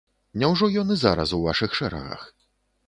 Няўжо ён і зараз у вашых шэрагах?